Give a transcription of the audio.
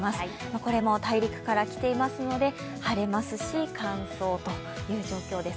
これも大陸から来ていますので、晴れますし、乾燥という状況です。